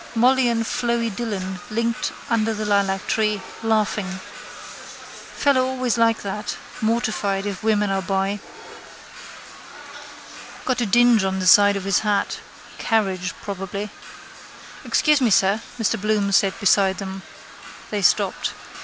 Molly and Floey Dillon linked under the lilactree, laughing. Fellow always like that, mortified if women are by. Got a dinge in the side of his hat. Carriage probably. —Excuse me, sir, Mr Bloom said beside them. They stopped.